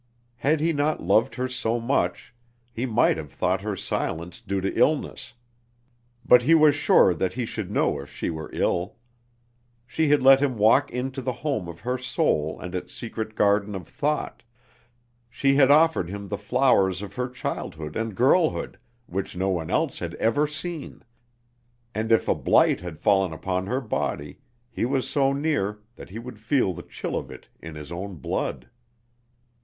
Had he not loved her so much, he might have thought her silence due to illness; but he was sure that he should know if she were ill. She had let him walk into the home of her soul and its secret garden of thought; she had offered him the flowers of her childhood and girlhood which no one else had ever seen; and if a blight had fallen upon her body, he was so near that he would feel the chill of it in his own blood.